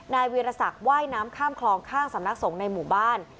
วีรศักดิ์ว่ายน้ำข้ามคลองข้างสำนักสงฆ์ในหมู่บ้าน